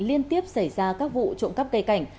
liên tiếp xảy ra các vụ trộm cắp cây cảnh